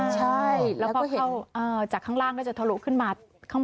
ใช่แล้วพอเข้าจากข้างล่างก็จะทะลุขึ้นมาข้างบน